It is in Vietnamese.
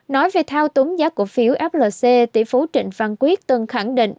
nói về thao túng giá cổ phiếu flc tỷ phú trịnh văn quyết từng khẳng định